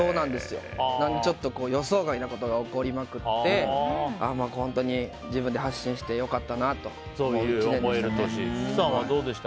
なので予想外のことが起こりまくって本当に自分で発信して良かったなと思える年でした。